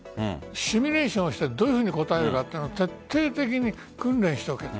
シミュレーションしてどういうふうに答えるかを徹底的に訓練しておけと。